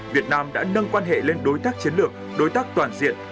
việt nam đã nâng quan hệ lên đối tác chiến lược đối tác toàn diện